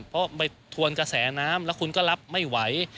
เพราะไปทวนกระแสน้ำแล้วคุณก็รับไม่ไหว